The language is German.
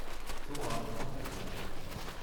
So wahr uns Gott helfe".